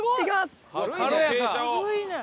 軽いね！